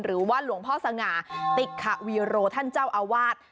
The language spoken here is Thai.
หรือว่าหลวงพ่อสง่าติกขวีโรท่านเจ้าอาวาส